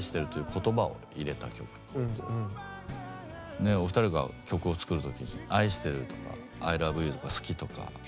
ねえお二人が曲を作る時に「愛してる」とか「アイラブユー」とか「好き」とか。